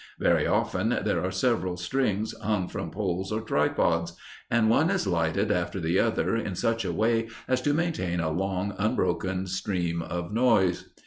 Very often there are several strings hung from poles or tripods, and one is lighted after the other in such a way as to maintain a long, unbroken stream of noise.